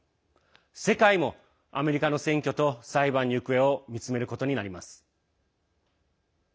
世界もアメリカの選挙と裁判の行方を見つめることになります。